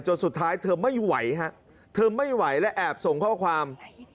สุดท้ายเธอไม่ไหวฮะเธอไม่ไหวและแอบส่งข้อความ